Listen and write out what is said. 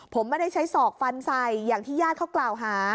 ผมไม่ได้ใช้ศอกฟันใส่อย่างที่ญาติเขากล่าวหา